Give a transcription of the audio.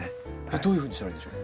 どういうふうにしたらいいんでしょう？